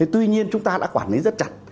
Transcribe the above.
tuy nhiên chúng ta đã quản lý rất chặt